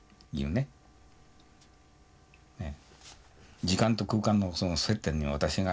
ねえ。